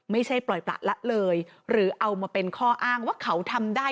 ไม่ใช่ปล่อยประละเลยหรือเอามาเป็นข้ออ้างว่าเขาทำได้